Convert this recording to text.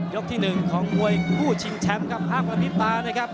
ยกที่หนึ่งของมวยคู่ชิมแชมป์กับอ้าวพระมิปรานะครับ